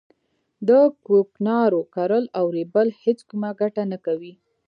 د کوکنارو کرل او رېبل هیڅ کومه ګټه نه کوي